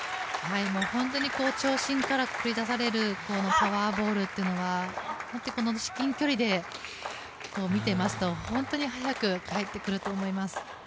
本当に長身から繰り出されるパワーボールというのは本当に至近距離で見てますと本当に早く返ってくると思います。